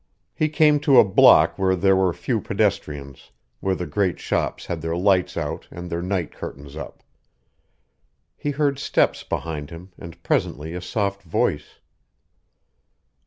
He came to a block where there were few pedestrians, where the great shops had their lights out and their night curtains up. He heard steps behind him, and presently a soft voice.